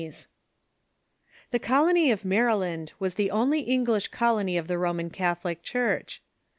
] The Colony of Maryland was the only English colony of the Roman Catholic faith.